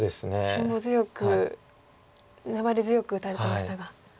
辛抱強く粘り強く打たれてましたが。